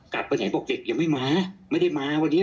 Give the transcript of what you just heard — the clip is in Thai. กลับไปไหนบอกเด็กยังไม่มาไม่ได้มาวันนี้